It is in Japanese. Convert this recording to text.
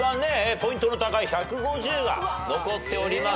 ポイントの高い１５０が残っております。